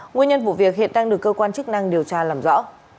nguyên nhân vụ việc hiện đang được cơ quan chức năng điều tra làm rõ